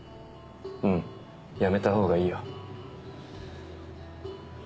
うんやめたほうがいいよ。